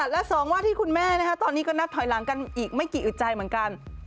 และสองว่าที่คุณแม่ตอนนี้ก็นับถอยหลังกันอีกไม่กี่อึดใจเหมือนกัน